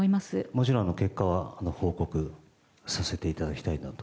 もちろん結果は報告させていただきたいなと。